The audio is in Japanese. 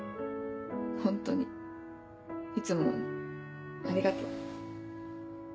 ホントにいつもありがとう。